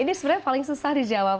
ini sebenarnya paling susah dijawab